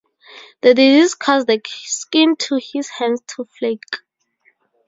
The disease cause the skin of his hands to flake.